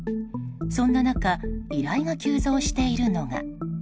そんな中依頼が急増しているのが。